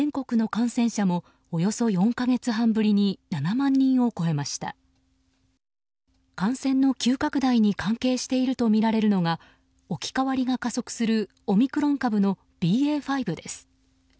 感染の急拡大に関係しているとみられるのが置き換わりが加速するオミクロン株のＢＡ．５です。